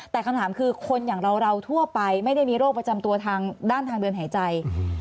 แต่คำถามคือคนอย่างเราทั่วไปไม่ได้มีโรคประจำตัวทางด้านทางเดินหายใจ